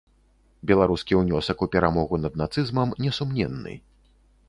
Беларускі ўнёсак у перамогу над нацызмам несумненны.